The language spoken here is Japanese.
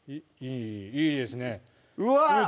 いいですねうわっ！